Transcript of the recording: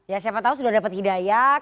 ya siapa tahu sudah mendapatkan hidayah